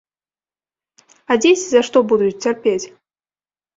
А дзеці за што будуць цярпець?